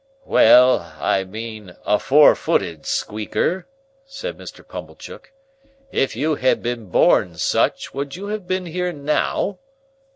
"Well, but I mean a four footed Squeaker," said Mr. Pumblechook. "If you had been born such, would you have been here now?